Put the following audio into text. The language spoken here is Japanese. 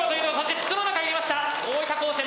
筒の中入りました。